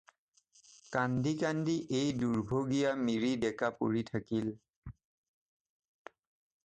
কান্দি কান্দি এই দুৰ্ভগীয়া মিৰি ডেকা পৰি থাকিল।